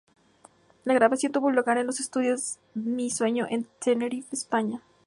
La grabación tuvo lugar en los estudios Mi sueño en Tenerife, España.